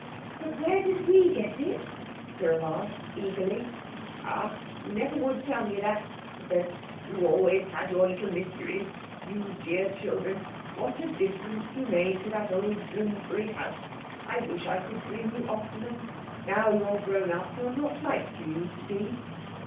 "But where did we get it?" Cyril asked eagerly. "Ah, you never would tell me that," he said, "You always had your little mysteries. You dear children! What a difference you made to that old Bloomsbury house! I wish I could dream you oftener. Now you're grown up you're not like you used to be."